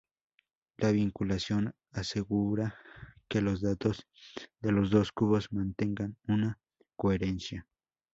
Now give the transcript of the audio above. La vinculación asegura que los datos de los dos cubos mantengan una coherencia.